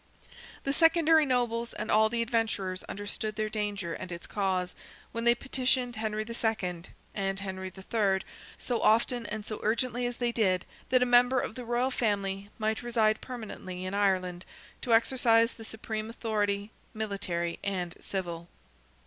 The secondary nobles and all the adventurers understood their danger and its cause, when they petitioned Henry II. and Henry III. so often and so urgently as they did, that a member of the royal family might reside permanently in Ireland, to exercise the supreme authority, military and civil.